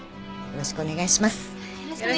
よろしくお願いします。